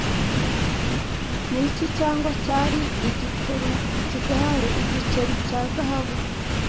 Niki cyangwa cyari Igiporutugali Igiceri cya Zahabu